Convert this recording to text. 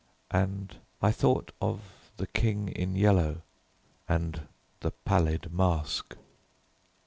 and I thought of The King in Yellow and the Pallid Mask.